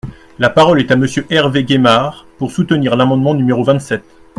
La parole est à Monsieur Hervé Gaymard, pour soutenir l’amendement numéro vingt-sept.